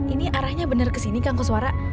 ini arahnya benar kesini kang ke suara